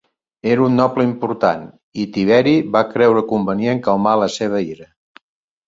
Era un noble important, i Tiberi va creure convenient calmar la seva ira.